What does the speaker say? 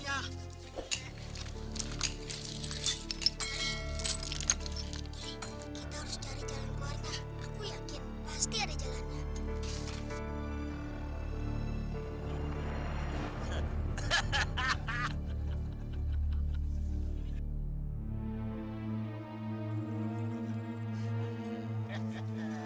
ya kita pergi